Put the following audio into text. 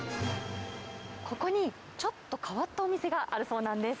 ここにちょっと変わったお店があるそうなんです。